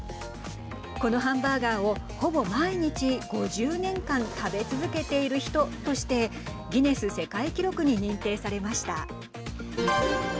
このハンバーガーをほぼ毎日、５０年間食べ続けている人としてギネス世界記録に認定されました。